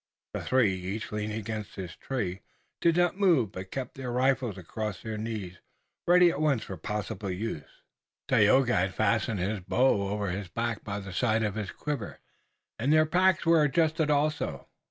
The three, each leaning against his tree, did not move but kept their rifles across their knees ready at once for possible use. Tayoga had fastened his bow over his back by the side of his quiver, and their packs were adjusted also.